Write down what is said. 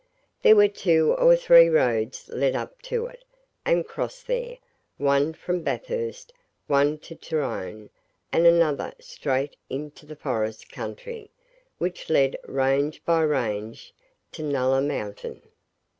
There were two or three roads led up to it, and crossed there one from Bathurst, one to Turon, and another straight into the forest country, which led range by range to Nulla Mountain.